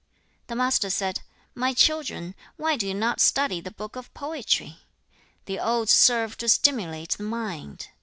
1. The Master said, 'My children, why do you not study the Book of Poetry? 2. 'The Odes serve to stimulate the mind.